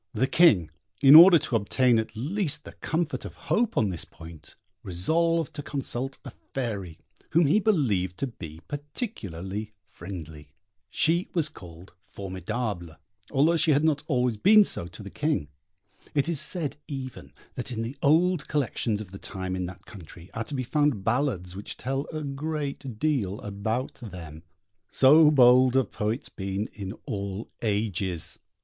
The King, in order to obtain at least the comfort of hope on this point, resolved to consult a fairy, whom he believed to be particularly friendly. She was called Formidable, although she had not always been so to the King. It is said even that in the old collections of the time in that country are to be found ballads which tell a great deal about them. So bold have poets been in all ages!